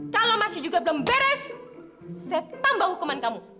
kalau masih juga belum beres saya tambah hukuman kamu